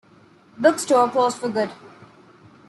Bookstore closed for good.